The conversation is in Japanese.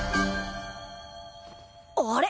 あれ？